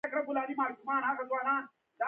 د ټرک بار باید په سمه توګه تړل شي.